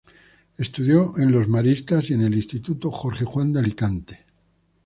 Estudió a los Maristas y en el Instituto Jorge Juan de Alicante.